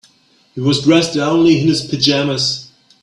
He was dressed only in his pajamas.